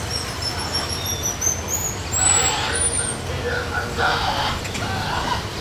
Divendres en Pere anirà al metge.